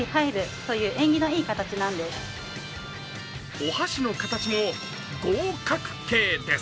お箸の形も合格けいです。